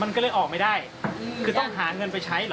มันก็เลยออกไม่ได้คือต้องหาเงินไปใช้เหรอ